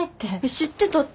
知ってたって。